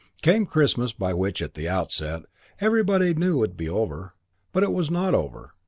Came Christmas by which, at the outset, everybody knew it would be over, and it was not over.